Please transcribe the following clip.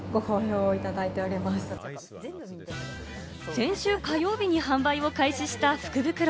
先週火曜日に販売を開始した福袋。